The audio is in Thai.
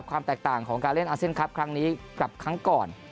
ความแตกต่างของการเล่นอาเซียนคลับครั้งนี้กับครั้งก่อน